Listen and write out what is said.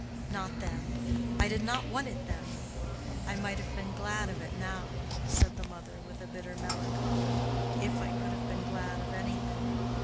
"Not then, not then——I did not want it then——I might have been glad of it now," said the mother, with a bitter melancholy, "if I could have been glad of anything."